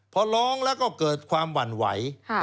พอร้องแล้วก็เกิดความหวั่นไหว